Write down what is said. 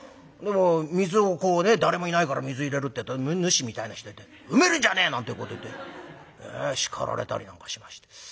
水をこうね誰もいないから水入れるってえと主みたいな人いて「埋めるんじゃねえ！」なんてこと言って叱られたりなんかしまして。